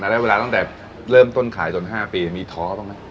ได้เวลาตั้งแต่เริ่มต้นขายจน๕ปีมีท้อบ้างไหม